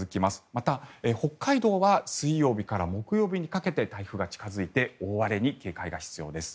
また北海道は水曜日から木曜日にかけて台風が近付いて大荒れに警戒が必要です。